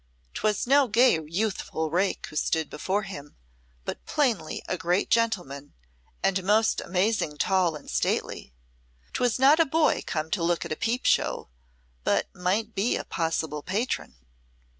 'Twas no gay youthful rake who stood before him, but plainly a great gentleman, and most amazing tall and stately. 'Twas not a boy come to look at a peep show, but might be a possible patron.